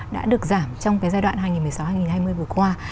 đã được giảm trong cái giai đoạn hai nghìn một mươi sáu hai nghìn hai mươi vừa qua